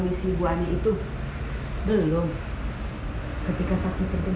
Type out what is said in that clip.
masa dia mau berbicara nuestrosis itu